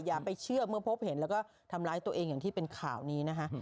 อย่าไปเชื่อเมื่อพบเห็นแล้วก็ทำร้ายตัวเองอย่างที่เป็นข่าวนี้นะคะ